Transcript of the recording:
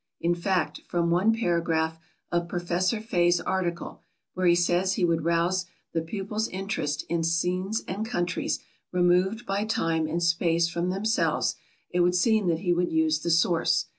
In fact, from one paragraph of Professor Fay's article, where he says he would arouse the pupils' interest "in scenes and countries removed by time and space from themselves," it would seem that he would use the source.